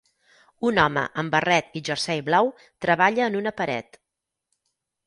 Un home amb barret i jersei blau treballa en una paret.